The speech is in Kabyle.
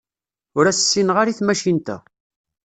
Ur as-ssineɣ ara i tmacint-a.